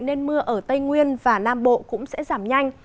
nên mưa ở tây nguyên và nam bộ cũng sẽ giảm nhanh